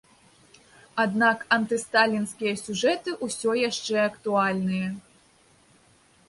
Аднак антысталінскія сюжэты ўсё яшчэ актуальныя.